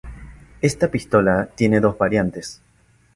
Esta pistola tiene dos variantes.